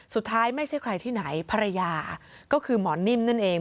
ไม่ใช่ใครที่ไหนภรรยาก็คือหมอนิ่มนั่นเอง